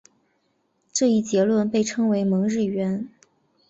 这一结论被称为蒙日圆。